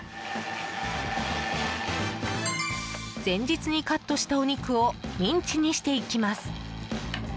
前日にカットしたお肉をミンチにしていきます。